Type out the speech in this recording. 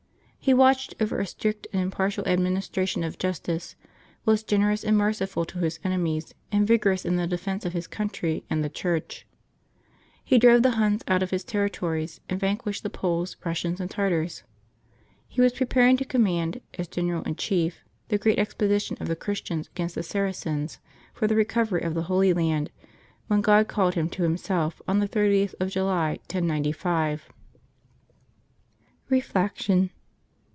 He watched over a strict and impartial administration of justice, was generous and merciful to his enemies, and vigorous in the defence of his country and the Church. He drove the Huns out of his territories, and vanquished the Poles, Eussians, and Tartars. He was pre paring to command, as general in chief, the great expedi tion of the Christians against the Saracens for the recovery of the Holv Land, when God called him to Himself, on the 30th of July, 1095. Reflection.